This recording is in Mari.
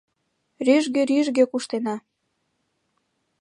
Рӱжге-рӱжге куштена.